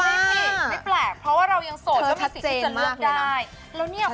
ไม่เปลี่ยนไม่แปลกเพราะว่าเรายังโสด